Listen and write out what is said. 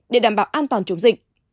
để đảm bảo an toàn chống dịch